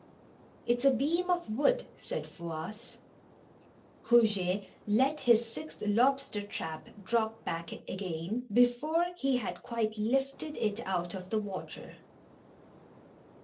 It's a beam of wood," said Fouasse. Eouget let his sixth lobster trap drop back again before he had quite lifted it out of the water.